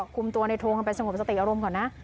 คุมตัวในโทงกันไปสงบสติอารมณ์ก่อนนะ